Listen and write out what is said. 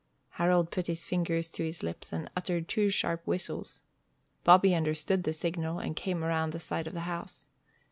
Harold put his fingers to his lips, and uttered two sharp whistles. Bobby understood the signal, and came around the side of the house.